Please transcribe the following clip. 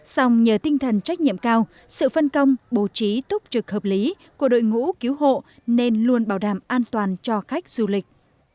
xong nhờ tinh thần trách nhiệm cao sự phân công bố trí túc trực hợp lý của đội ngũ cứu hộ nên luôn bảo đảm an toàn cho khách du lịch